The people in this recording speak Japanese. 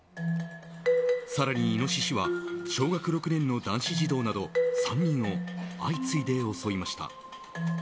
更にイノシシは小学６年の男子児童など３人を相次いで襲いました。